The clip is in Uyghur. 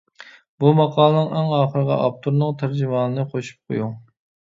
بۇ ماقالىنىڭ ئەڭ ئاخىرىغا ئاپتورنىڭ تەرجىمىھالىنى قوشۇپ قويۇڭ.